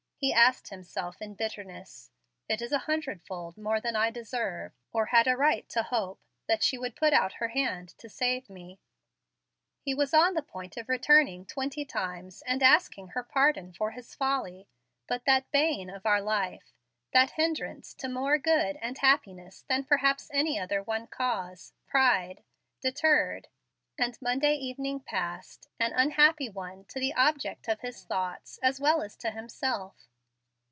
he asked himself in bitterness. "It is a hundred fold more than I deserve, or had a right to hope, that she should put out her hand to save me." He was on the point of returning twenty times, and asking her pardon for his folly, but that bane of our life, that hinderance to more good and happiness than perhaps any other one cause, pride, deterred, and Monday evening passed, an unhappy one to the object of his thoughts as well as to himself.